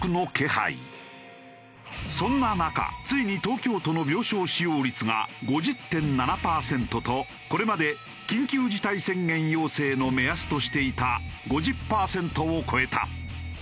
そんな中ついに東京都の病床使用率が５０．７パーセントとこれまで緊急事態宣言要請の目安としていた５０パーセントを超えた。